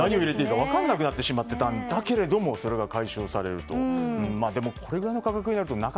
何を入れていいか分からなくなってしまっていたんだけれどもそれが解消されると。